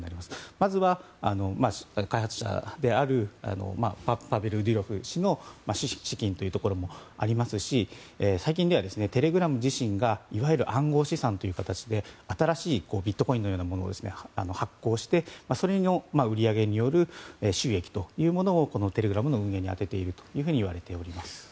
まずは開発者であるパベル・デュロフ氏の資金というところもありますし最近では、テレグラム自身がいわゆる暗号資産という形で新しいビットコインのようなものを発行して、それの売り上げによる収益というものをテレグラムの運営に充てているといわれております。